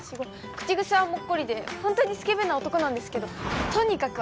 口癖はもっこりでホントにスケベな男なんですけどとにかく